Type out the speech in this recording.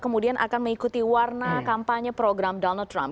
kemudian akan mengikuti warna kampanye program donald trump